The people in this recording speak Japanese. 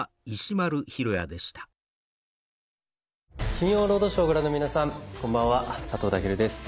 『金曜ロードショー』をご覧の皆さんこんばんは佐藤健です。